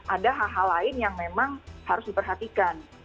ada hal hal lain yang memang harus diperhatikan